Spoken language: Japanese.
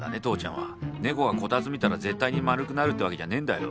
猫はコタツ見たら絶対に丸くなるってわけじゃねえんだよ。